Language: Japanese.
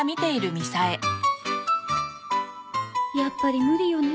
やっぱり無理よね。